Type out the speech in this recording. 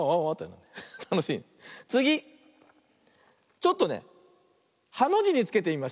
ちょっとねハのじにつけてみました。